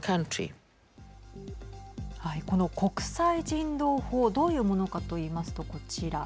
この国際人道法どういうものかといいますとこちら。